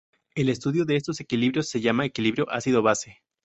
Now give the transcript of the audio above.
El estudio de estos equilibrios se llama Equilibrio ácido-base.